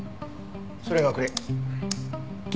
それがこれ。